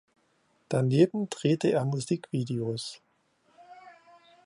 Daneben drehte er Musikvideos.